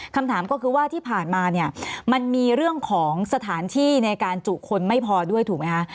คำถามก็คือว่าที่ผ่านมาเนี่ยมันมีเรื่องของสถานที่ในการจุคนไม่พอด้วยถูกไหมคะ